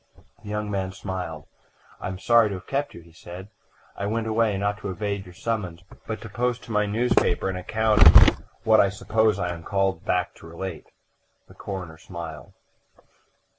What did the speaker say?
The young man smiled. "I am sorry to have kept you," he said. "I went away, not to evade your summons, but to post to my newspaper an account of what I suppose I am called back to relate." The coroner smiled.